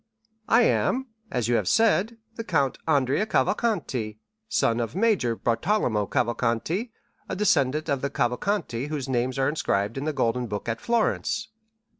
"I am (as you have said) the Count Andrea Cavalcanti, son of Major Bartolomeo Cavalcanti, a descendant of the Cavalcanti whose names are inscribed in the golden book at Florence.